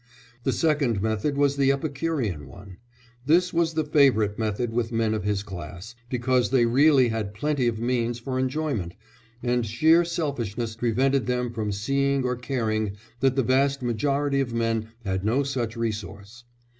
The second method was the Epicurean one; this was the favourite method with men of his class, because they really had plenty of means for enjoyment, and sheer selfishness prevented them from seeing or caring that the vast majority of men had no such resource.